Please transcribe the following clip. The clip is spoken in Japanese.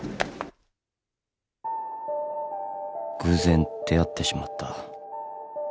偶然出会ってしまった。